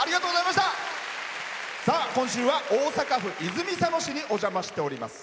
今週は大阪府泉佐野市にお邪魔しております。